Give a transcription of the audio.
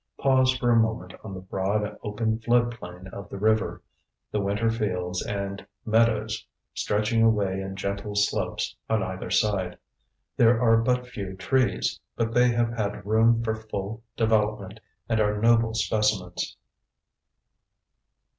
Pause for a moment on the broad open flood plain of the river, the winter fields and meadows stretching away in gentle slopes on either side. There are but few trees, but they have had room for full development and are noble specimens.